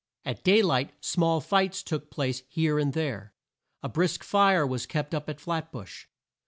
At day light small fights took place here and there. A brisk fire was kept up at Flat bush.